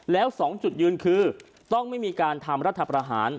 แล้ว๒จุดยืนคือต้องไม่มีการทำรัฐประหาร